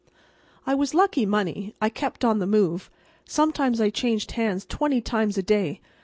I was lucky money. I kept on the move. Sometimes I changed hands twenty times a day.